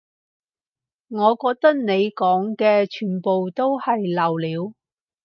我覺得你講嘅全部都係流料